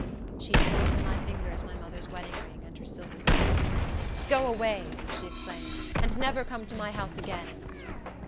She tore from my fingers my mother's wedding ring and her silver thimble. "Go away!" she exclaimed, "and never come to my house, again."